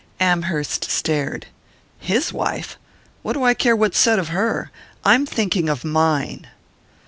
Amherst stared. "His wife? What do I care what's said of her? I'm thinking of mine!"